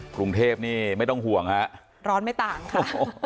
กรุงเทพนี่ไม่ต้องห่วงฮะร้อนไม่ต่างค่ะ